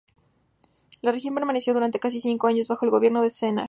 La región permaneció durante casi cinco años bajo el gobierno de Sennar.